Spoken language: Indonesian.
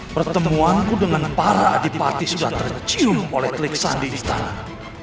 pertemuanku dengan para adipati sudah tercium oleh klik sandi di istana